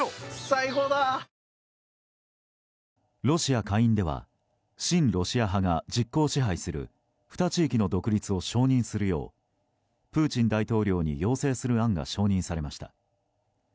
ロシア下院では親ロシア派が実効支配する２地域の独立を承認するようプーチン大統領に要請する案が承認されました。